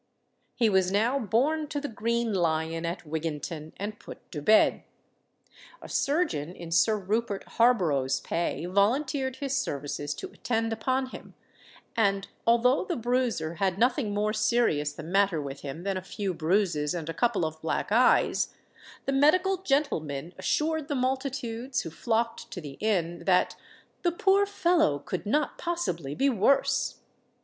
He was now borne to the Green Lion at Wigginton, and put to bed. A surgeon in Sir Rupert Harborough's pay volunteered his services to attend upon him; and, although the Bruiser had nothing more serious the matter with him than a few bruises and a couple of black eyes, the medical gentlemen assured the multitudes who flocked to the inn, that "the poor fellow could not possibly be worse."